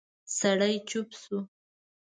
سړی چوپ شو.